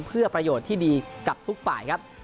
เพื่อประโยชน์ที่ดีกับทุกฝ่ายครับ